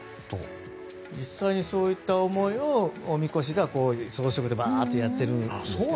実際にそういった思いをおみこしでは装飾でやってるんですけど。